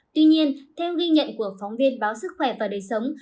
tuy nhiên theo ghi nhận của phóng viên báo sức khỏe và đời sống